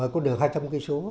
có đường hai trăm linh km